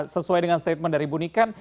sesuai dengan statement dari ibu nikan